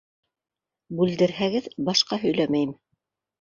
Бүлдерһәгеҙ, башҡа һөйләмәйем.